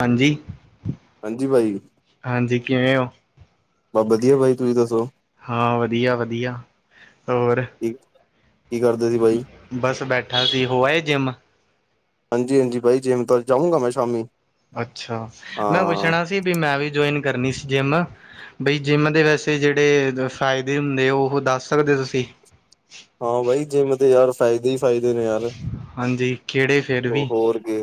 ਹਾਂਜੀ। ਹਾਂਜੀ ਭਾਜੀ। ਹਾਂਜੀ ਕਿਵੇਂ ਹੋ? ਬਸ ਵਧੀਆ ਭਾਜੀ ਤੁਸੀਂ ਦੱਸੋ? ਹਾਂ ਵਧੀਆ- ਵਧੀਆ ਹੋਰ? ਕੀ ਕੀ ਕਰਦੇ ਸੀ ਭਾਈ ਬਸ ਬੈਠਾ ਸੀ ਹੋ ਆਏ ਜਿਮ? ਹਾਂਜੀ- ਹਾਂਜੀ ਬਾਈ ਜਿਮ ਤਾਂ ਜਾਊਂਗਾ ਮੈਂ ਸ਼ਾਮੀ। ਅੱਛਾ ਮੈਂ ਹਾਂ ਪੁੱਛਣਾ ਸੀ ਵੀ, ਮੈਂ ਵੀ ਜੁਆਇਨ ਕਰਨੀ ਸੀ ਜਿੰਮ। ਬਈ ਜਿੰਮ ਦੇ ਵੈਸੇ ਜਿਹੜੇ ਫਾਇਦੇ ਹੁੰਦੇ ਉਹ ਦੱਸ ਸਕਦੇ ਤੁਸੀਂ। ਹਾਂ ਬਾਈ ਜਿਮ। ਯਾਰ ਫਾਇਦੇ ਹੀ ਫਾਇਦੇ ਨੇ ਯਾਰ, ਹਾਂਜੀ ਕਿਹੜੇ ਫਿਰ ਉਹ ਵੀ ਹੋਰ ਕੀ।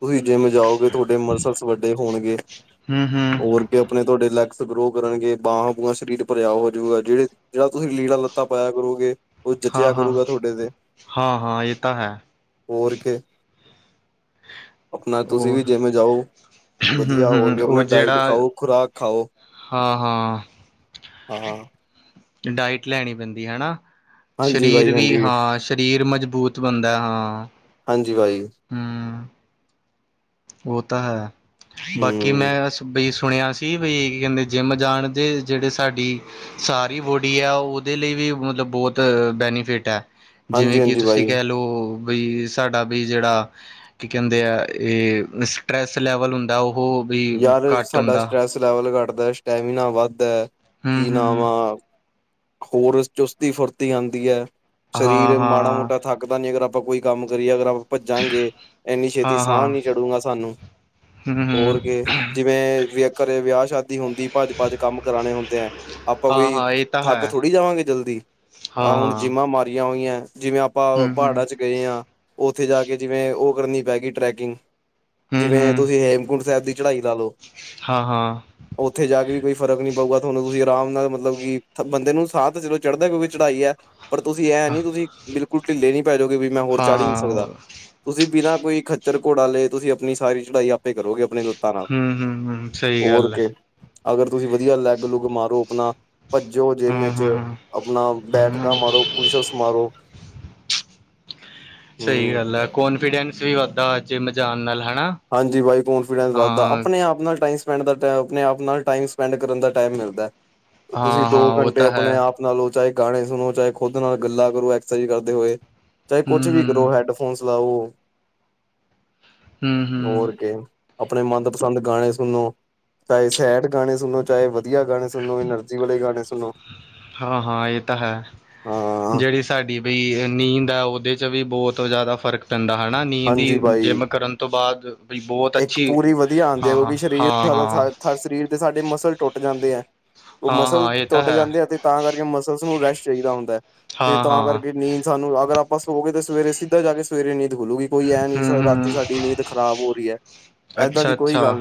ਤੁਸੀਂ ਜਿੰਮ ਜਾਉਗੇ ਤੁਹਾਡੇ ਮਸਲਸ ਵੱਡੇ ਹੋਣਗੇ, ਹੂੰ ਹੂੰ ਹੋਰ। ਤੇ ਆਪਣੇ ਤੁਹਾਡੇ ਲੈਗਸ ਗਰੋ ਕਰਨਗੇ, ਬਾਂਹਾਂ, ਬੂਹਾਂ ਸਰੀਰ ਭਰਿਆ ਹੋ ਜੂਗਾ ਜਿਹੜੇ। ਜਿਹੜਾ ਤੁਸੀਂ ਲੀੜਾ- ਲੱਤਾ ਪਾਇਆ ਕਰੋਗੇ ਉਹ ਹਾਂ ਜਚਿਆ ਹਾਂ ਕਰੂਗਾ ਤੁਹਾਡੇ ਤੇ। ਹਾਂ ਹਾਂ ਇਹ ਤਾਂ ਹੈ ਹੋਰ ਕੇ, ਆਪਣਾ ਤੁਸੀਂ ਉਹ ਵੀ ਜਿੰਮ ਜਾਓ। ਹੂੰ ਵਧੀਆ ਹੋਰ ਹੂੰ ਕੀ ਉਹ ਆਪਣਾ ਡਾਇਟ ਜਿਹੜਾ ਖਾਓ, ਖੁਰਾਕ ਖਾਓ। ਹਾਂ- ਹਾਂ। ਹਾਂ-ਹਾਂ। ਡਾਇਟ ਲੈਣੀ ਪੈਂਦੀ ਹੈ, ਹੈਨਾ। ਹਾਂਜੀ ਸਰੀਰ ਬਾਈ ਵੀ ਹਾਂਜੀ ਹਾਂ ਸਰੀਰ ਮਜਬੂਤ ਬਣਦਾ ਹੈ, ਹਾਂ। ਹਾਂਜੀ ਬਾਈ। ਹੂੰ ਉਹ ਤਾਂ ਹੈ, ਬਾਕੀ ਮੈਂ ਹੂੰ ਹੁਣ ਆਸੀ ਬਈ ਕੀ ਕਹਿੰਦੇ ਜਿਮ ਜਾਣ ਦੇ ਜਿਹੜੇ ਸਾਡੀ ਸਾਰੀ ਬੋਡੀ ਹੈ ਉਹਦੇ ਲਈ ਵੀ ਮਤਲਬ ਬਹੁਤ ਬੈਨੀਫਿਟ ਹੈ। ਜੇਵੇਂ ਕੇ ਹਾਂਜੀ-ਹਾਂਜੀ ਤੁਸੀਂ ਬਾਈ ਕੈ ਲੋ ਬਈ ਸਾਡਾ ਵੀ ਜੇੜਾ ਕੀ ਕੈਦੇ ਆਏ ਸਟਰੈਸ ਲੈਵਲ ਹੁੰਦਾ ਓਹੋ ਵੀ ਯਾਰ ਘੱਟ ਸਾਡਾ ਹੁੰਦਾ ਸਟਰ੍ਰੈਸ ਲੈਵਲ ਘੱਟਦਾ ਸਟੈਮੀਨਾ ਵੱਧਦਾ ਐ, ਹੂੰ ਕੀ ਨਾਮ ਹੂੰ ਆ ਹੋਰ ਚੁਸਤੀ-ਫੁਰਤੀ ਦੀ ਐ ਹਾਂ ਸਰੀਰ ਮਾੜਾ ਮੋ ਹਾਂ ਟਾ ਥੱਕਦਾ ਨੀ ਅਗਰ ਆਪਾਂ ਕੋਈ ਕੰਮ ਕਰੀਏ ਅਗਰ ਆ ਭਜਾਗੇ, ਏਨੀ ਛੇਤੀ ਹਾਂ ਸਾਅ ਹਾਂ ਨੀ ਚੜੂਗਾ ਸਾਨੂੰ ਹੂੰ ਹੋਰ ਹੂੰ ਕੇ, ਜੇਵੇਂ ਘਰੇ ਵੇਆ ਸ਼ਾਦੀ ਹੁੰਦੀ ਭਜ-ਭਜ ਕੰਮ ਕਰਾਣੇ ਹੁੰਦੇ ਆ। ਆਪਾਂ ਹਾਂ ਕੋਈ ਹਾਂ ਇਹ ਤਾਂ ਹੈ ਥੱੱਕ ਥੋੜੀ ਜਾਵਾਂਗੇ ਜਲਦੀ, ਹਾਂ ਆਂ ਹੁਣ ਹਾਂ ਜਿੰਮਾਂ ਮਾਰੀਆਂ ਹੋਈਆਂ ਜਿਵੇਂ ਆਪਾਂ ਹੂੰ ਹੂੰ ਪਹਾੜਾਂ ਚ ਗਏ ਆਂ, ਓਥੇ ਜਾ ਕੇ ਜੀਵੇਂ ਓ ਕਰਨੀ ਪੈ ਗਈ ਟਰੈਕਿੰਗ ਜੇਂਵੇਂ ਤੁਸੀਂ ਹੇਮਕੁੰਟ ਸੈਬ ਦੀ ਚੜਾਈ ਲਾ ਲੋ। ਹਾਂ-ਹਾਂ। ਓਥੇ ਜਾ ਕੇ ਵੀ ਕੋਈ ਫਰਕ ਨੀ ਪਊਗਾ ਤੁਹਾਨੂੰ ਤੁਸੀਂ ਆਰਾਮ ਨਾਲ ਮਤਲਬ ਕੀ ਥ ਬੰਦੇ ਨੂੰ ਸਾਅ ਤੇ ਚਲੋ ਚੜ੍ਹਦਾ ਕੋਕੀ ਚੜਾਈ ਆ ਪਰ ਤੁਸੀਂ ਐ ਹਾਂ ਨੀ ਤੁਸੀਂ ਬਿਲਕੁਲ ਢੀਲੇ ਨੀ ਪੈਜੋਗੇ ਵੀ ਮੈਂ ਹੋਰ ਚੜ ਈ ਨੀ ਹਾਂ ਸਕਦਾ। ਤੁਸੀਂ ਬਿਨਾਂ ਕੋਈ ਖੱਚਰ ਘੋੜਾ ਲਏ ਤੁਸੀਂ ਆਪਣੀ ਸਾਰੀ ਚੜਾਈ ਆਪੇ ਕਰੋਗੇ ਆਪਣੇ ਹੂੰ-ਹੂੰ-ਹੂੰ ਸਈ ਗੱਲ ਐ। ਅਗਰ ਤੁਸੀਂ ਵਧੀਆ ਲੈਗ ਲੁੱਗ ਮਾਰੋ ਆਪਣਾ ਭੱਜੋ ਜਿੰਮ ਹੂੰ ਚੇ ਹੂੰ ਆਪਣਾ ਬੈਠ ਹੂੰ ਕਾਂ ਮਾਰੋ ਪੁਸ਼ਛਸ ਮਾਰੋ ਸਈ ਹੂੰ ਗੱਲ ਐ ਕੋਨਫੀਡੈਂਸ ਵੀ ਵਧਦਾ ਜਿਮ ਜਾਨ ਨਾਲ ਹਨਾ। ਹਾਂਜੀ ਬਾਈ ਕੋਂਨਫੀਡੈਂਸ ਵਧਦਾ ਹਾਂ ਪਣੇ ਆਪ ਨਾਲ ਟਾਈ ਸ ਪੈਡ ਪਣੇ ਆਪ ਨਾਲ ਟਾਈਮ ਸਪੈਂਡ ਕਰਨ ਦਾ ਟਾਈਮ ਮੇਲਦਾ, ਤੁਸੀਂ ਹਾਂ ਦੋ ਹਾਂ ਉਹ ਘੰਟੇ ਤਾਂ ਹੈ ਆਪਣੇ ਆਪ ਨਾਲੋ ਚਾਹੇ ਗਾਣੇ ਸੁਣੋ ਚਾਹੇ ਖੁੱਦ ਨਾਲ ਗੱਲਾਂ ਕਰੋ ਐਕਸਰਸਾਈਜ਼ ਕਰਦੇ ਹੋਏ, ਚਾਹੇ ਹੂੰ ਕੁਛ ਵੀ ਹੂੰ ਕਰੋ ਹੈਡਫੋਨਸ ਲਾਵੋ। ਹੂੰ ਹੂੰ ਹੋਰ ਕੇ। ਅਪਣੇ ਮਦਪਸੰਦ ਗਾਣੇ ਸੁਣੋ, ਚਾਏ ਸੈਡ ਗਾਣੇ ਸੁਣੋ ਚਾਏ ਵਧੀਆ ਗਾਣੇ ਸੁ ਸੁਣੋ ਆਨਰਜੀ ਵਾਲੇ ਗਾਣੇ ਸੁਣੋ, ਹਾਂ ਹਾਂ ਇਹ ਤਾਂ ਹੈ ਹਾਂ। ਜਿਹੜੀ ਸਾਡੀ ਵੀ ਨੀਂਦ ਐ ਓਦੇ ਚ ਵੀ ਬੋਤ ਜਾਦਾ ਫ਼ਰਕ ਪੈਂਦਾ ਹਨਾ ਨੀਂਦ ਹਾਂਜੀ ਈ ਜਿੰਮ ਕਰਨ ਤੋਂ ਬਾਦ ਇਏਕ ਪੂਰੀ ਵਧੀਆ ਆਦੀ ਐ ਕੋਕੀ ਛਰੀਰ ਹਾਂ ਹਾਂ ਹਾਂ ਸਾ ਸਰੀਰ ਦੇ ਸਾਡੇ ਮਸਲ ਟੁੱਟ ਜਾਂਦੇ ਆ। ਓ ਹਾਂ ਮਸਲ ਹਾਂ ਇਹ ਤਾਂ ਟੁੱਟ ਹੈ ਜਾਂਦੇ ੲ ਤੇ ਤਾਂ ਕਰਕੇ ਮਸਲਸ ਨੂੰ ਰੈਸਟ ਚਾਈਦਾ ਹੁੰਦਾ ਐ, ਤੇ ਹਾਂ ਤਾਂ ਹਾਂ ਕਰਕੇ ਨੀਂਦ ਸਾਨੂੰ ਅਗਰ ਆਪਾਂ ਸੋਗੇ ਤੇ ਸਵੇਰੇ ਸੀਧਾ ਜਾ ਕੇ ਸਵੇਰੇ ਨੀਂਦ ਖੁਲੂਗੀ ਕੋਈ ਐਂ ਨੀ ਹੂੰ ਰਾਤੀ ਸਾਡੀ ਨੀਂਦ ਖ਼ਰਾਬ ਹੋ ਰਈ ਐ। ਅੱਛਾ-ਅੱਛਾ,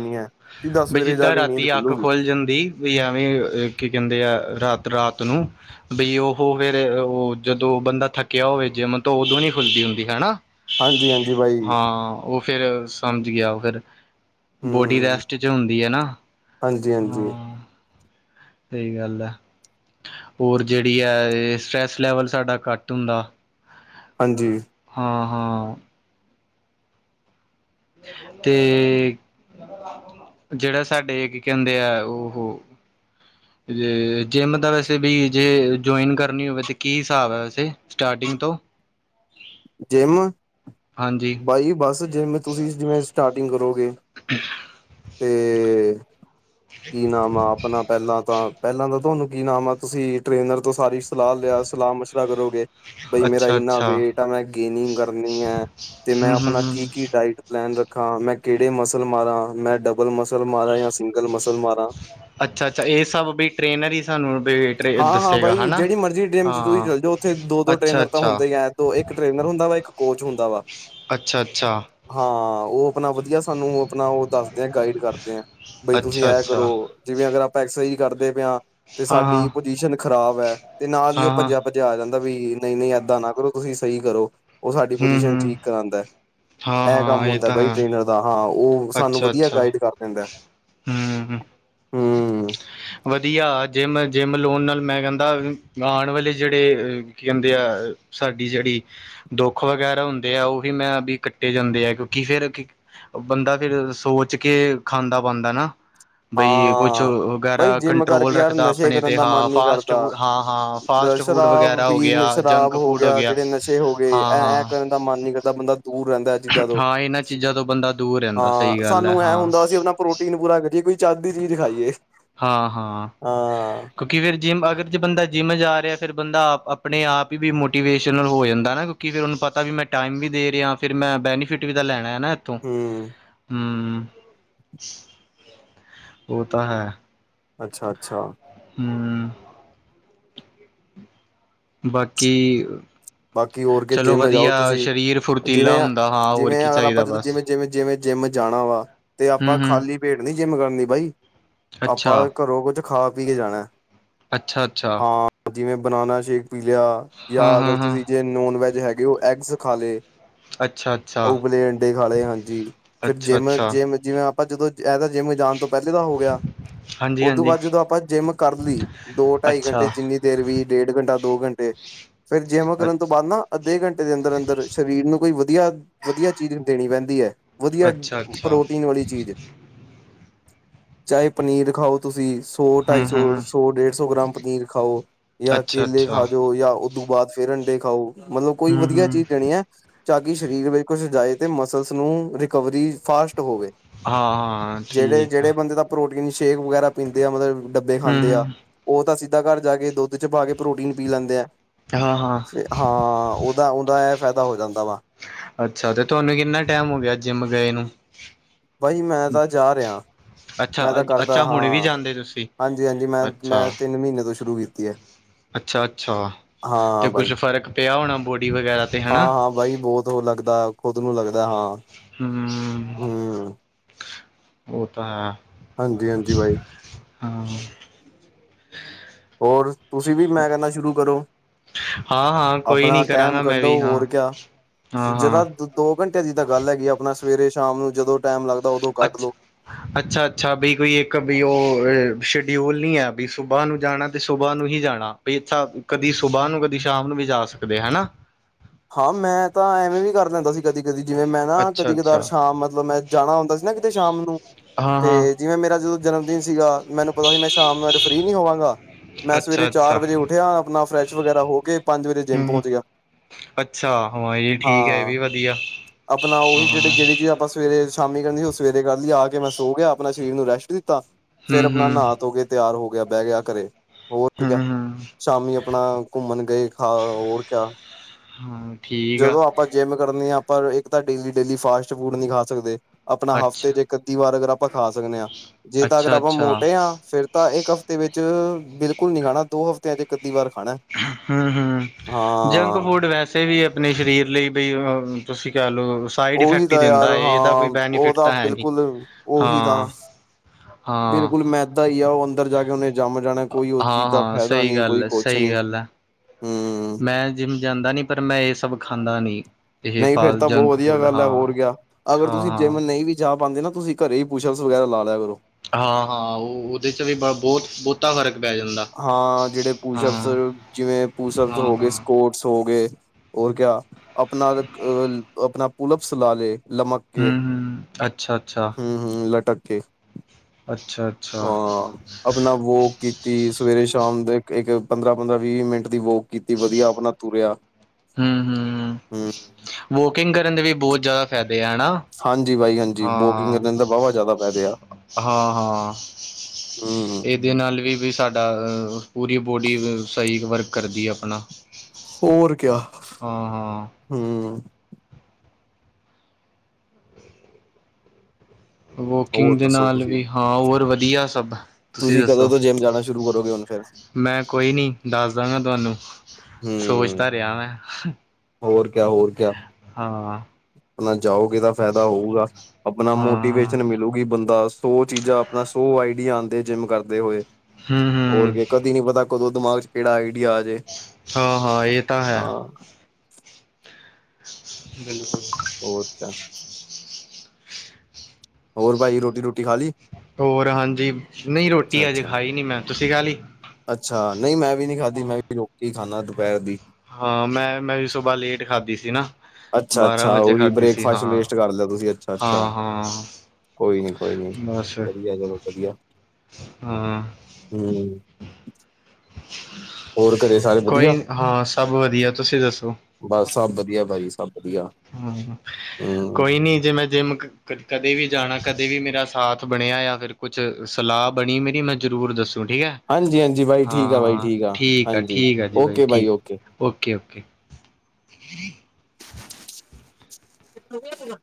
ਸਿੱਧਾ ਬਈ ਸਵੇਰੇ ਜਾ ਜੀਦਾਂ ਕੇ ਨੀਂਦ ਰਾਤੀ ਅੱਖ ਖੁੱਲੂਗੀ ਖੋਲ ਜਾਂਦੀ ਵੀ ਐਵੇਂ ਕੀ ਕੈਂਦੇ ਆ ਰਾਤ-ਰਾਤ ਨੂੰ ਬਈ ਓ ਫੇਰ ਜਦੋਂ ਬੰਦਾ ਥੱਕਿਆ ਹੋਵੇ ਜਿਮ ਤੋਂ ਓਦੋਂ ਨੀ ਖੋਲਦੀ ਹੁੰਦੀ ਹੈਨਾ? ਹਾਂਜੀ ਹਾਂਜੀ ਬਾਈ ਹਾਂ ਓ ਫੇਰ ਸੋਂਦੀ ਆ ਓ ਫੇਰ ਬੋਡੀ ਹਮ ਰੈਸਟ ਚ ਹੁੰਦੀ ਐ ਨਾ ਹਾਂਜੀ ਹਾਂਜੀ ਹਾਂ, ਸਈ ਗੱਲ ਐ। ਹੋਰ ਜੇੜੀ ਐ ਸਟਰੈਸ ਲੈਵਲ ਸਾਡਾ ਘੱਟ ਹੁੰਦਾ। ਹਾਂਜੀ। ਹਾਂ-ਹਾਂ ਤੇ ਜੇੜਾ ਸਾਡੇ ਕੀ ਕੈਂਦੇ ਆ ਓਹੋ ਜੇ ਜੇਮ ਦਾ ਵੈਸੇ ਵੀ ਜੇ ਜੁਆਈਨ ਕਰਨੀ ਹੋਵੇ ਤੇ ਕੀ ਸਾਬ ਆ ਵੈਸੇ? ਸਟਾਟੀਗ ਤੋਂ? ਜਿੰਮ, ਹਾਂਜੀ ਬਾਈ ਬਸ ਜਿੰਮ ਤੁਸੀਂ ਜਿਵੇਂ ਸਟਾਰਟਿੰਗ ਕਰੋਗੇ ਅੱ [unintelligible] ਤੇ, ਕੀ ਨਾਮ ਆਂ? ਆਪਣਾ ਪਹਿਲਾਂ ਤਾਂ, ਪਹਿਲਾਂ ਤਾਂ ਤੁਹਾਨੂੰ ਕੀ ਨਾਮ ਆ ਤੁਸੀਂ ਟ੍ਰੇਨਰ ਤੋਂ ਸਾਰੀ ਸਲਾਹ ਲਿਆ ਸਲਾਹ ਮਸ਼ਰਾ ਕਰੋਗੇ। ਬਈ ਮੇਰਾ ਅੱਛਾ ਇੰਨਾ ਅੱਛਾ ਵੇਟ ਆ, ਮੈਂ ਗੇਨਿੰਗ ਕਰਨੀ ਹੈ, ਤੇ ਮੈਂ ਹੂੰ ਹੂੰ ਆਪਣਾ ਹੂੰ ਕੀ ਕੀ ਡਾਇਟ ਪਲੈਨ ਰੱਖਾਂ, ਮੈਂ ਕਿਹੜੇ ਮਸਲ ਮਾਰਾ, ਮੈਂ ਡਬਲ ਮਸਲ ਮਾਰਾ ਜਾਂ ਸਿੰਗਲ ਮਸਲ ਮਾਰਾ? ਅੱਛਾ ਅੱਛਾ, ਇਹ ਸਭ ਬਈ ਟ੍ਰੇਨਰ ਹੀ ਸਾਨੂੰ ਬ ਹਾਂ ਹਾਂ ਬਾਈ, ਜਿਹੜੀ ਮਰਜ਼ੀ ਜਿਮ 'ਚ ਤੁਸੀਂ ਚੱਲ ਜਾਓ ਉੱਥੇ ਦੋ ਦੋ ਅੱਛਾ ਟ੍ਰਰੇਨਰ ਤਾਂ ਅੱਛਾ ਹੁੰਦੇ ਹੀ ਹੈ, ਇੱਕ ਟ੍ਰੇਨਰ ਹੁੰਦਾ ਵਾ ਇੱਕ ਕੋਚ ਹੁੰਦਾ ਵਾ। ਅੱਛਾ, ਅੱਛਾ। ਹਾਂ ਆ, ਉਹ ਆਪਣਾ ਵਧੀਆ ਸਾਨੂੰ ਆਪਣਾ ਉਹ ਦੱਸਦੇ ਆ ਗਾਈਡ ਕਰਦੇ ਆ, ਬਈ ਤੁਸੀਂ ਅੱਛਾ ਇਹ ਅੱਛਾ ਕਰੋ। ਜਿਵੇਂ ਅਗਰ ਆਪਾਂ ਐਕਸਰ ਕਰਦੇ ਪਏ ਹਾਂ, ਤੇ ਹਾਂ ਸਾਡੀ ਹਾਂ ਪੁਜੀਸ਼ਨ ਖ਼ਰਾਬ ਹੈ ਤੇ ਨਾਲ ਹੀ ਹਾਂ ਉਹ ਹਾਂ ਭੱਜਿਆ ਆ ਜਾਂਦਾ ਵੀ ਨਹੀਂ ਨਹੀਂ ਏਦਾਂ ਨਾ ਕਰੋ, ਤੁਸੀਂ ਸਹੀ ਕਰੋ, ਉਹ ਸਾਡੀ ਹੂੰ ਪੁਜੀਸ਼ਨ ਹੂੰ ਠੀਕ ਕਰਾਉਦਾ ਹਾ। ਹਾਂ ਇਹ ਕੰਮ ਹਾਂ ਹੁੰਦਾ ਤਾਂ ਬਾਈ ਹੈ ਟ੍ਰੇਨਰ ਦਾ ਹਾਂ, ਉਹ ਸਾਨੂੰ ਵਧੀਆ ਗਾਈਡ ਕਰ ਦਿੰਦਾ ਹੈ। ਹਮ ਆ। ਵਧੀਆ ਜਿੰਮ, ਜਿੰਮ ਲੋਨ ਨਾਲ ਮੈਂ ਕਹਿੰਦਾ ਆਉਣ ਵਾਲੇ ਜਿਹੜੇ ਕੀ ਕਹਿੰਦੇ ਆ ਸਾਡੀ ਜਿਹੜੀ ਦੁੱਖ ਵਗੈਰਾ ਹੁੰਦੇ ਆ ਉਹਹੀ ਮੈਂ ਵੀ ਕੱਟੇ ਜਾਂਦੇ ਆ, ਕਿਉਂਕਿ ਫੇਿਰ ਕੀ ਬੰਦਾ ਫੇਿਰ ਸੋਚ ਕੇ ਖਾਂਦਾ ਪਾਾਂਦਾ ਨਾ, ਬਈ ਕੁਛ ਹਾਂ ਬਾਈ ਜਿੰਮ ਕਰਕੇ ਕੰਟਰੋਲ ਯਾਰ ਰੱਖਦਾ ਨਸ਼ੇ ਆਪਣੇ ਕਰਨ ਤੇ ਦਾ ਮਨ ਹਾਂ ਨ ਫਾਸਟ ਫੂਡ ਹਾਂ ਹਾਂ ਕਰਦਾ। ਫਾਸਟ ਫੂਡ ਸ਼ਰਾਬ ਵਗੈਰਾ ਹੋ ਵੀ ਨ ਗਿਆ ਸ਼ਰਾਬ ਜੰਕ ਹੋ ਫੂਡ ਗਿਆ, ਜਿਹੜੇ ਨਸ਼ੇ ਹੋ ਗਏ ਹਾਂ ਐ, ਐ ਹਾਂ ਕਰਨ ਦਾ ਮਨ ਨੀ ਕਰਦਾ। ਬੰਦਾ ਦੂਰ ਰਹਿੰਦਾ ਇਹ ਚੀਜ਼ਾਂ ਤੋਂ, ਹਾਂ ਇਹਨਾਂ ਚੀਜ਼ਾਂ ਤੋਂ ਬੰਦਾ ਦੂਰ ਰਹਿੰਦਾ ਸਹੀ ਹਾਂ ਗੱਲ ਹੈ ਸਾਨੂੰ ਐ ਹਾਂ ਹੁੰਦਾ ਸੀ ਆਪਣਾ ਪ੍ਰੋਟੀਨ ਪ੍ਰੋਟੀਨ ਪੂਰਾ ਕਰੀਏ, ਕੋਈ ਚੱਜ ਦੀ ਚੀਜ਼ ਖਾਈਏ। ਹਾਂ ਹਾਂ, ਹਾਂ ਕ ਕੇ ਫਿਰ ਜਿੰਮ ਅਗਰ ਜੇ ਬੰਦਾ ਜਿੰਮ ਜਾ ਰਿਹਾ, ਫਿਰ ਬੰਦਾ ਆਪ ਆਪਣੇ ਆਪ ਹੀ ਵੀ ਮੋਟੀਵੇਸ਼ਨਲ ਹੋ ਜਾਂਦਾ ਨਾ ਕਿ ਫਿਰ ਉਹਨੂੰ ਪਤਾ ਵੀ ਮੈਂ ਟਾਈਮ ਵੀ ਦੇ ਰਿਹਾ, ਫਿਰ ਮੈਂ ਬੈਨੀਫਿਟ ਬੇਨੀਫਿਟ ਦਾ ਲੈਣਾ ਹੈ ਨਾ ਇੱਥੋਂ, ਹੂੰ ਹਮ। ਉਹ ਤਾਂ ਹੈ। ਅੱਛਾ ਅੱਛਾ। ਹਮ। ਬਾਕੀ ਬਾਕੀ ਹੋਰ ਕੇ ਚਲੋ ਜਿੰਮ ਜਾਓ ਵਧੀਆ ਤੁਸੀਂ ਸਰੀਰ ਫੁਰਤੀਲਾ ਜਿਵੇਂ ਹੁੰਦਾ ਹਾਂ, ਹੋਰ ਜਿਵੇਂ ਕੀ ਅਗਰ ਆਪਾਂ ਚਾਹੀਦਾ ਜਦੋਂ ਬਸ। ਜਿਵੇਂ ਜਿਵੇਂ ਜਿਵੇਂ ਜਿੰਮ ਜਾਣਾ ਵਾ, ਤੇ ਹਮ ਆਪਾਂ ਖਾਲੀ ਹਮ ਖਾਲੀ ਪੇਟ ਨੀ ਜਿੰਮ ਕਰਨੀ ਬਾਈ, ਆਪਾਂ ਅੱਛਾ ਘਰੋਂ ਕੁਛ ਖਾ ਪੀ ਕੇ ਜਾਣਾ ਹ। ਅੱਛਾ, ਅੱਛਾ। ਜਿਵੇਂ ਬਨਾਨਾ ਸ਼ੇਕ ਪੀ ਲਿਆ ਜਾਂ ਹਾਂ ਅਗਰ ਹਾਂ ਹਾਂ ਤੁਸੀਂ ਜੇ ਨੋਨ ਵੈਜ ਹੈਗੇ ਹੋ, ਐੱਗਸ ਖਾ ਲਏ। ਅੱਛਾ। ਅੱਛਾ। ਉਬਲੇ ਅੰਡੇ ਖਾ ਲਏ ਹਾਂਜੀ, ਫੇਿਰ ਅੱਛਾ ਜਿੰਮ ਅੱਛਾ -ਜਿੰਮ ਜਿਵੇਂ ਆਪਾਂ ਜਦੋਂ ਇਹ ਤਾਂ ਜਿੰਮ ਜਾਣ ਤੋਂ ਪਹਿਲੇ ਦਾ ਹੋ ਗਿਆ। ਹਾਂਜੀ ਓਹ ਤੋ ਹਾਂਜੀ ਬਾਅਦ ਜਦੋਂ ਆਪਾਂ ਜਿੰਮ ਕਰ ਲਈ, ਦੋ ਢਾਈ ਅੱਛਾ ਘੰਟੇ ਜਿੰਨੀ ਦੇਰ ਵੀ ਡੇਢ ਘੰਟਾ ਦੋ ਘੰਟੇ ਫੇਰ ਜਿਮ ਕਰਨ, ਤੋਂ ਬਾਅਦ ਨਾ ਅੱਧੇ ਘੰਟੇ ਦੇ ਅੰਦਰ ਅੰਦਰ, ਸ਼ਰੀਰ ਨੂੰ ਕੋਈ ਵਧੀਆ, ਵਧੀਆ ਚੀਜ਼ ਦੇਣੀ ਪੈਂਦੀ ਹੈ। ਵਧੀਆ ਅੱਛਾ ਅੱਛਾ ਪ੍ਰੋਟੀਨ ਵਾਲੀ ਚੀਜ਼। ਚਾਹੇ ਪਨੀਰ ਖਾਓ ਤੁਸੀਂ, ਸੌ ਢਾਈ ਹਮ ਸੌ, ਹਮ ਸੌ ਡੇਢ ਸੌ ਗ੍ਰਾਮ ਪਨੀਰ ਖਾਓ ਜਾਂ ਅੱਛਾ ਕੇਲੇ ਖਾ ਅੱਛਾ ਜੋਓ, ਜਾਂ ਉਹਦੋਂ ਬਾਅਦ ਫੇਿਰ ਅੰਡੇ ਖਾਓ। ਮਤਲਬ ਕੋਈ ਹਮ ਵਧੀਆ ਹਮ ਚੀਜ਼ ਦੇਣੀ ਐ। ਤਾ ਕਿ ਸਰੀਰ ਵਿੱਚ ਕੁਛ ਜਾਏ ਤੇ ਮਸਲਸ ਨੂੰ ਰਿਕਵਰੀ ਫਾਸਟ ਹੋਵੇ। ਹਾਂ-ਹਾਂ ਠੀਕ ਆ ਜੇੜੇ-ਜੇੜੇ ਬੰਦੇ ਤਾਂ ਪ੍ਰੋਟੀਨ ਸ਼ੇਕ ਵਗੈਰਾ ਪੀਂਦੇ ਆ ਮਤਲਬ ਡੱਬੇ ਖਾਂਦੇ ਆ। ਹੂੰ-ਹੂੰ ਓ ਤਾ ਸਿੱਧਾ ਘਰ ਜਾ ਕੇ ਦੁੱਧ 'ਚ ਪਾ ਕੇ ਪ੍ਰੋਟੀਨ ਪੀ ਲੈਂਦੇ ਆ। ਹਾਂ-ਹਾਂ ਤੇ ਹਾਂ ਉਹਦਾ-ਉਹਦਾ ਇਹ ਫਾਇਦਾ ਹੋ ਜਾਂਦਾ ਵਾ। ਅੱਛਾ ਤੇ ਤੁਹਾਨੂੰ ਕਿੰਨਾ ਟੈਮ ਹੋ ਗਿਆ ਜਿੰਮ ਗਏ ਨੂੰ ਬਾਈ ਮੈਂ ਤਾਂ ਜਾ ਰਿਆ। ਅੱਛਾ ਅ ਅੱਛਾ ਹੁਣੇ ਵੀ ਜਾਂਦੇ ਤੁਸੀਂ ਹਾਂਜੀ ਹਾਂਜੀ ਮੈਂ ਅੱਛਾ। ਮੈਂ ਤਿੰਨ ਮਹੀਨੇ ਤੋਂ ਸ਼ੁਰੂ ਕੀਤੀ ਹੈ ਅੱਛਾ-ਅੱਛਾ ਹਾਂ ਤੇ ਬਾਈ ਕੁਛ ਫ਼ਰਕ ਪਿਆ ਹੋਣਾ ਬੋਡੀ ਵਗੈਰਾ ਤੇ ਹਨਾ। ਹਾਂ-ਹਾਂ ਬਾਈ ਬੋਤ ਓ ਲੱਗਦਾ ਖੁਦ ਨੂੰ ਲੱਗਦਾ ਹਾਂ। ਹੂੰ ਹੂੰ ਓ ਤਾਂ ਹੈ। ਹਾਂਜੀ-ਹਾਂਜੀ ਬਾਈ। ਹਾਂ ਹੋਰ ਤੁਸੀਂ ਵੀ ਮੈਂ ਕੈਂਣਾ ਸ਼ੁਰੂ ਕਰੋ। ਹਾਂ-ਹਾਂ ਕੋਈ ਆਪਣਾ ਨੀ ਟੈਮ ਕਰਾਂਗਾ ਮੈਂ ਕੱਢੋ ਵੀ ਹੋਰ ਹਾਂ, ਕਿਆ ਜਦਾ ਹਾਂ-ਹਾਂ ਦ ਦੋ ਘੰਟਿਆਂ ਦੀ ਤਾਂ ਗੱਲ ਹੈਗੀ ਆਪਣਾ ਸਵੇਰੇ ਸ਼ਾਮ ਨੂੰ ਜਦੋਂ ਟੈਮ ਲੱਗਦਾ ਉਦੋਂ ਕੱਢ ਅੱਛਾ ਲੋ ਅੱਛਾ-ਅੱਛਾ ਬਈ ਕੋਈ ਇੱਕ ਵੀ ਓ ਸ਼ਡਿਊਲ ਨੀ ਹੈ ਬ ਸੁਬਾਹ ਨੂੰ ਜਾਣਾ। ਤੇ ਸੁਬਾਹ ਨੂੰ ਹੀ ਜਾਣਾ ਬਈ ਇੱਥਾ ਕਦੀ ਸੁਬਾਹ ਨੂੰ ਕਦੀ ਸ਼ਾਮ ਨੂੰ ਵੀ ਜਾ ਸਕਦੇ ਹਨਾ। ਹਾਂ ਮੈਂ ਤਾਂ ਐਵੇਂ ਵੀ ਕਰ ਲੈਂਦਾ ਸੀ ਕਦੀ-ਕਦੀ ਜਿਵੇਂ ਮੈਂ ਨਾ ਕਦੀ ਕਦਾਰ ਅੱਛਾ-ਅੱਛਾ ਸ਼ਾਮ ਮਤਲਬ ਮੈਂ ਜਾਣਾ ਹੁੰਦਾ ਸੀ ਨਾ ਕਿਤੇ ਸ਼ਾਮ ਨੂੰ ਹਾਂ ਹਾਂ ਤੇ ਜਿਵੇਂ ਮੇਰਾ ਜਦੋਂ ਜਨਮ ਦਿਨ ਸੀਗਾ ਮੈਨੂੰ ਪਤਾ ਸੀ ਮੈਂ ਸ਼ਾਮ ਨੂੰ ਅਜ ਫਰੀ ਨੀ ਹੋਵਾਂਗਾ। ਮੈਂ ਅੱਛਾ ਸਵੇਰੇ ਅੱਛਾ ਚਾਰ ਵਜੇ ਉੱਠਿਆ ਆਪਣਾ ਫਰੈਸ਼ ਵਗੈਰਾ ਹੋ ਕੇ ਪੰਜ ਵਜੇ ਜਿੰਮ ਹਮ ਪਹੁੰਚ ਗਿਆ। ਅੱਛਾ ਹਾਂ ਜ ਠੀਕ ਆ ਇਹ ਹਾਂ ਵੀ ਵਧੀਆ ਆਪਣਾ ਉਹੀ ਜੇੜੇ ਜੇੜੀ ਚੀਜ਼ ਆਪਾਂ ਸਵੇਰੇ ਸ਼ਾਮੀ ਕਰਨ ਸੀ ਓ ਸਵੇਰੇ ਕਰ ਲਈ ਆ ਕੇ ਮੈਂ ਸੋ ਗਿਆ ਆਪਣਾ ਸਰੀਰ ਨੂੰ ਰੈਸਟ ਦਿੱਤਾ। ਫਿਰ ਹਮ ਆਪਣਾ ਹਮ ਨਹਾ ਧੋ ਕੇ ਤਿਆਰ ਹੋ ਗਿਆ ਬਹਿ ਗਿਆ ਘਰੇ ਹੋਰ ਹਮ ਕਿਆ ਹਮ ਸ਼ਾਮੀ ਆਪਣਾ ਘੁੰਮਣ ਗਏ ਖਾ ਹੋਰ ਕਿਆ ਹਾਂ ਠੀਕ ਆ ਜਦੋਂ ਆਪਾਂ ਜਿੰਮ ਕਰਨੀ ਆ ਆਪਾਂ ਇੱਕ ਤਾਂ ਡੇਲੀ-ਡੇਲੀ ਫਾਸਟ ਫੂਡ ਨਈ ਖਾ ਸਕਦੇ। ਆਪਣਾ ਹਫ਼ਤੇ ਅੱਛਾ ਜੇ ਇੱਕ ਅੱਧੀ ਵਾਰ ਅਗਰ ਆਪਾਂ ਖਾ ਸਕਦੇ ਹਾਂ। ਜੇ ਤਾਂ ਅਗਰ ਅੱਛਾ ਆਪਾਂ ਅੱਛਾ ਮੋਟੇ ਆਂ ਫਿਰ ਤਾਂ ਇੱਕ ਹਫ਼ਤੇ ਵਿੱਚ 'ਚ ਬਿਲਕੁਲ ਨੀ ਖਾਣਾ ਦੋ ਹਫ਼ਤਿਆਂ 'ਚ ਇਕ ਅਧੀ ਵਾਰ ਖਾਣਾ। ਹੂੰ-ਹੂੰ ਜੰਕ ਹਾਂ ਫੂਡ ਵੈਸੇ ਕਿਤੇ ਵੀ ਆਪਣੇ ਸਰੀਰ ਲਈ ਬਈ ਅ ਤੁਸੀਂ ਕਹਿ ਲਓ। ਸਾਈਡ ਉਹੀ ਇਫੈਕਟ ਈ ਤਾਂ ਯਾਰ ਦਿੰਦਾ ਹੈ ਇਹਦਾ ਕੋਈ ਹਾਂ ਉਹ ਬੈਨੀਫਿਟ ਤਾਂ ਹੈ ਨਈ ਬਿਲਕੁਲ ਉਹੀ ਤਾਂ ਹਾਂ। ਹਾਂ ਬਿਲਕੁਲ ਮੈਦਾ ਈ ਆ ਹੁਣ ਅੰਦਰ ਜਾ ਕੇ ਉਹਨੇ ਜੰਮ ਜਾਣਾ ਕੋਈ ਉਸ ਹਾਂ ਚੀਜ਼ ਦਾ ਹਾਂ ਫਾਇਦਾ ਸਹੀ ਨੀ ਗੱਲ ਕੋਈ ਹੈ ਕੁਛ ਸਹੀ ਨੀ ਗੱਲ ਹੈ ਹੂੰ। ਮੈਂ ਜਿੰਮ ਜਾਂਦਾ ਨਈ ਪਰ ਮੈਂ ਇਹ ਸਭ ਖਾਂਦਾ ਨਈ। ਨਈ ਫਿਰ ਤਾਂ ਬੋ ਵਧੀਆ ਗੱਲ ਆ ਹੋਰ ਕਿਆ ਅਗਰ ਹਾਂ ਤੁਸੀਂ ਹਾਂ ਜਿੰਮ ਨਈ ਵੀ ਜਾ ਪਾਂਦੇ ਨਾ ਤੁਸੀਂ ਘਰੇ ਹੀ ਪੁਸ਼ਸਪ ਵਗੈਰਾ ਲਾ ਲਿਆ ਕਰੋ। ਹਾਂ-ਹਾਂ ਓ ਉਹਦੇ 'ਚ ਵੀ ਬ ਬੋਤ ਬੋਤਾ ਫ਼ਰਕ ਪੈ ਜਾਂਦਾ। ਹਾਂ ਜਿਹੜੇ ਹਾਂ ਪੂਸ਼ਪਸ ਜਿਵੇਂ ਪੂਸ਼ਪ ਹਾਂ ਹੋ ਗਏ ਹਾਂ ਸਕੋਟ ਸੋ ਹੋ ਗਏ ਹੋਰ ਕਿਆ ਆਪਣਾ ਅ ਆਪਣਾ ਪੁਲਪਸ ਲਾ ਲਏ। ਲਮਕ ਕੇ ਹੂੰ ਹੂੰ ਅੱਛਾ ਅੱਛਾ ਹੂੰ-ਹੂੰ ਲਟਕ ਕੇ ਅੱਛਾ-ਅੱਛਾ ਹਾਂ ਆਪਣਾ ਵੋਕ ਕੀਤੀ, ਸਵੇਰੇ-ਸ਼ਾਮ ਦੇ ਇੱਕ ਪੰਦਰਾਂ-ਪੰਦਰਾਂ ਵੀਹ-ਵੀਹ ਮਿੰਟ ਦੀ ਵੋਕ ਕੀਤੀ ਵਧੀਆ ਆਪਣਾ ਤੁਰਿਆ ਹੂੰ -ਹੂੰ। ਹੂੰ ਵੋਕਿੰਗ ਕਰਨ ਦੇ ਵੀ ਬਹੁਤ ਜ਼ਿਆਦਾ ਫਾਇਦੇ ਹੈ ਹਨਾ। ਹਾਂਜੀ ਬਾਈ, ਹਾਂਜੀ ਬੋਗਿੰਗ ਹਾਂ ਕਰਨ ਦੇ ਵਾਹਵਾ ਜ਼ਿਆਦਾ ਪੈਦੇ ਆ। ਹਾਂ ਹੂੰ -ਹੂੰ। ਏਦੇ ਨਾਲ ਵੀ, ਵੀ ਸਾਡਾ ਪੂਰੀ ਬੋਡੀ ਸਹੀ ਵਰਕ ਕਰਦੀ ਏ ਆਪਣਾ। ਹੋਰ, ਕਿਆ। ਹਾਂ-ਹਾਂ ਹੂੰ ਵੋਕਿੰਗ ਹੋਰ ਦੇ ਦੱਸੋ ਨਾਲ ਤੁਸੀਂ ਵੀ ਹਾਂ ਹੋਰ ਵਧੀਆ ਸਭ। ਤੁਸੀਂ ਕਦੋਂ ਤੋਂ ਜਿੰਮ ਜਾਣਾ ਸ਼ੁਰੂ ਕਰੋਗੇ ਹੁਣ ਫੇਰ। ਮੈਂ ਕੋਈ ਨੀ ਦੱਸ ਦਾਂਗਾ ਤੁਹਾਨੂੰ, ਸੋਚ ਹੂੰ ਤਾਂ ਰਿਆ ਮੈਂ ਹੋਰ ਕਿਆ ਹੋਰ ਕਿਆ, ਹਾਂ ਆਪਣਾ ਜਾਓਗੇ ਤਾ ਫੈਦਾ ਹੋਊਗਾ, ਆਪਣਾ ਹਾਂ ਮੋਟੀਵੇਸ਼ਨ ਮਿਲੂਗੀ ਬੰਦਾ। ਸੋ ਚੀਜ਼ਾਂ ਆਪਣਾ ਸੋ ਆਈਡੀਆ ਆਂਦੇ ਜਿੰਮ ਕਰਦੇ ਹੋਏ, ਹੋਰ ਹੂੰ-ਹੂੰ, ਕੀ ਕਦੀ ਨੀ ਪਤਾ। ਕਦੋਂ ਦਿਮਾਗ'ਚ ਕਿਹੜਾ ਆਈਡੀਆ ਆਜੇ। ਹਾਂ- ਹਾਂ ਇਹ ਤਾਂ ਹੈ। ਬਿਲਕੁਲ [unintelligible] ਹੋਰ ਕਿਆ। ਹੋਰ ਬਾਈ, ਰੋਟੀ-ਰੁਟੀ ਖਾਲੀ? ਹੋਰ, ਹਾਂਜੀ ਨਹੀਂ ਰ੍ਹੋਟੀ ਅਜੇ ਖਾਈ ਨੀ ਮੈਂ, ਤੁਸੀਂ ਖਾ ਲਈ? ਅੱਛਾ, ਨਹੀਂ ਮੈਂ ਵੀ ਨਹੀਂ ਖਾਧੀ, ਮੈਂ ਵੀ ਰੁੱਕਕੇ ਹੀ ਖਾਂਨਾ ਦੁਪਹਿਰ ਦੀ। ਹਾਂ, ਮੈਂ-ਮੈਂ ਵੀ ਸੁਬ੍ਹ‌ਾ ਲੇਟ ਖਾਧੀ ਸੀ ਨਾ। ਬਾਰਾਂ ਅੱਛਾ-ਅੱਛਾ, ਵਜੇ ਓਹੀ ਖਾਧੀ ਸੀ ਬ੍ਰੇਕਫਾਸਟ ਹਾਂ। ਲੇਸਟ ਕਰਦੇ ਓ ਤੁਸੀਂ, ਅੱਛਾ-ਅੱਛਾ। ਹਾਂ-ਹਾਂ ਕੋਈ ਨੀ, ਕੋਈ ਨੀ। ਬਸ ਵਧੀਆ, ਚਲੋ ਵਧੀਆ। ਹਾਂ। ਹੂੰ ਹੋਰ ਘਰੇ ਸਾਰੇ ਵਧੀਆ ਕੋਈ, ਹਾਂ, ਸਭ ਵਧੀਆ। ਤੁਸੀਂ ਦੱਸੋ? ਬਸ, ਸਭ ਵਧੀਆ ਭਾਜੀ ਸਭ ਵਧੀਆ। ਹੂੰ, ਹੂੰ ਕੋਈ ਨੀ‌ ਜੇ‌ ਮੈਂ ਜਿੰਮ ਕਦੇ ਵੀ ਜਾਣਾ ਕਦੇ ਵੀ ਮੇਰਾ ਸਾਥ ਬਣਿਆ ਯਾ ਫਿਰ ਕੁਛ ਸਲਾਹ ਬਣੀ ਮੇਰੀ, ਮੈਂ ਜ਼ਰੂਰ ਦੱਸੂ ਠੀਕ ਐ। ਹਾਂਜੀ ਹਾਂਜੀ ਬਾਈ ਠੀਕ ਆ ਬਾਈ ਹਾਂ, ਠੀਕ ਆ, ਹਾਂਜੀ ਠੀਕ ਆ ਜੀ ਬਾਈ, ਓਕੇ ਓਕੇ ਠੀਕ। ਓਕੇ-ਓਕੇ। ਕਿੱਥੋ ਗਿਆ ਸੀਗਾ?